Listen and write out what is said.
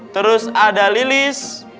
terus ada lilis